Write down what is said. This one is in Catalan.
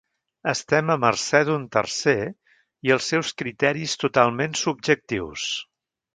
Estem a mercè d’un tercer i els seus criteris totalment subjectius.